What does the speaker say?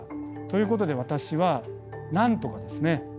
ということで私はなんとかですね